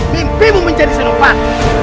mimpimu menjadi senopat